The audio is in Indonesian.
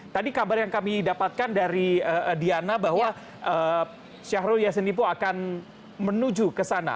tadi kabar yang kami dapatkan dari diana bahwa syahrul yassin limpo akan menuju ke sana